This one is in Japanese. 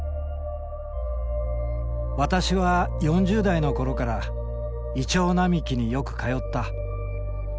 私は４０代の頃から銀杏並木によく通った。